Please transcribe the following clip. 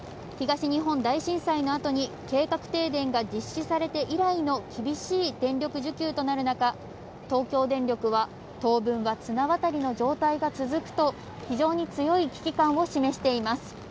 東日本大震災の後に計画停電が実施されて以来の厳しい電力需給となる中、東京電力は当分は綱渡りの状態が続くと非常に強い危機感を示しています。